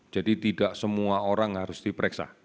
jadi tidak semua orang harus diperiksa